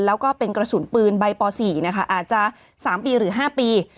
แล้วก็เป็นกระสุนปืนใบป๔อาจจะ๓ปีหรือ๕ปี